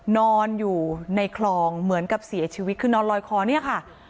นอนอยู่ในคลองเหมือนกับเสียชีวิตคือนอนลอยคอเนี่ยค่ะ